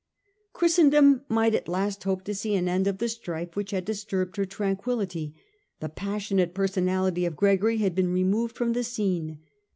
Christendom might at last hope to see an end of the strife which had disturbed her tranquillity. The pas sionate personality of Gregory had been removed from the scene.